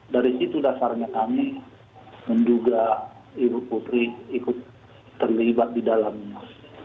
dari situ dasarnya kami menduga ibu putri ikut terlibat di dalamnya